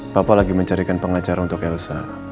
bapak lagi mencarikan pengacara untuk elsa